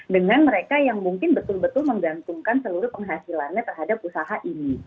dengan mereka yang mungkin betul betul menggantungkan seluruh penghasilannya terhadap usaha ini